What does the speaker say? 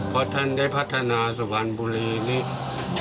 เพราะท่านได้พัฒนาสุพรรณบุรีนี้